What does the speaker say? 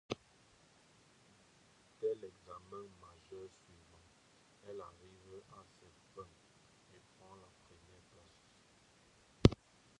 Dès l’examen majeur suivant, elle arrive à ses fins et prend la première place.